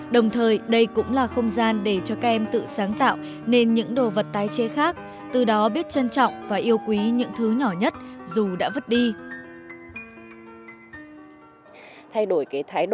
đồng thời đây cũng là không gian để cho các em tự sáng tạo nên những đồ vật tái chế khác từ đó biết trân trọng và yêu quý những thứ nhỏ nhất dù đã vứt đi